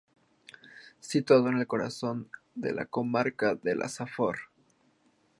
Situado en el corazón de la comarca de la Safor.